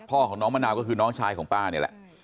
พ่อของน้องมะนาวก็คือน้องชายของป้านี่แหละ